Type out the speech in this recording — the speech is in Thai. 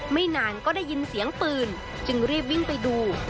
ไม่นานก็ได้ยินเสียงปืนจึงรีบวิ่งไปดู